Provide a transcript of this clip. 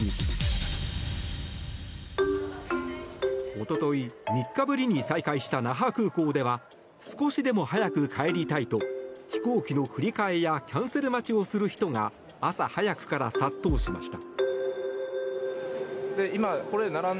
一昨日、３日ぶりに再開した那覇空港では少しでも早く帰りたいと飛行機の振り替えやキャンセル待ちをする人が朝早くから殺到しました。